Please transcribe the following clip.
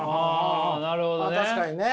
あなるほどね。